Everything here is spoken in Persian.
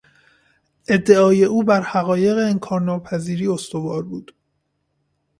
ادعای او بر حقایق انکارناپذیری استوار بود.